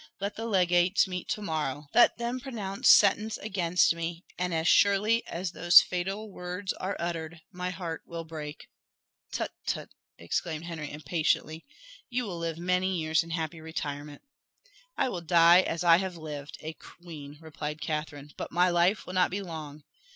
Let the legates meet to morrow let them pronounce sentence against me and as surely as those fatal words are uttered, my heart will break." "Tut, tut!" exclaimed Henry impatiently, "you will live many years in happy retirement." "I will die as I have lived a queen," replied Catherine; "but my life will not be long.